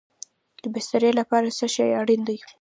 د بسترې لپاره څه شی اړین دی؟